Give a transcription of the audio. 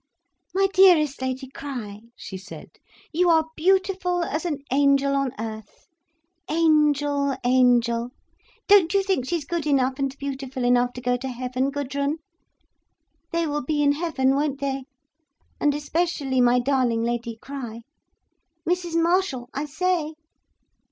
"My dearest Lady Crich," she said, "you are beautiful as an angel on earth. Angel—angel—don't you think she's good enough and beautiful enough to go to heaven, Gudrun? They will be in heaven, won't they—and especially my darling Lady Crich! Mrs Marshall, I say!"